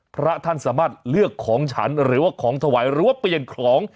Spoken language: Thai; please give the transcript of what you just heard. พระท่านสามารถเลือกของฉันหรือว่าของถวายหรือว่าเปลี่ยนของ